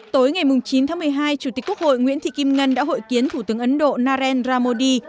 tối ngày chín tháng một mươi hai chủ tịch quốc hội nguyễn thị kim ngân đã hội kiến thủ tướng ấn độ narendra modi